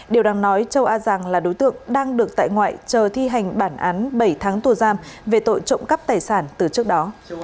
điều đang nói châu a giàng là đối tượng đang được tại ngoại chờ thi hành bản án bảy tháng tù giam về tội trộm cắp tài sản từ trước đó